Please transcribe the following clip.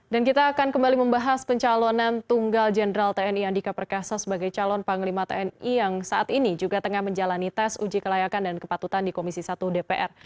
kita akan kembali membahas pencalonan tunggal jenderal tni andika perkasa sebagai calon panglima tni yang saat ini juga tengah menjalani tes uji kelayakan dan kepatutan di komisi satu dpr